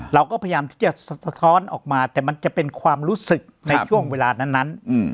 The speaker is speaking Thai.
เราก็พยายามที่จะสะท้อนออกมาแต่มันจะเป็นความรู้สึกในช่วงเวลานั้น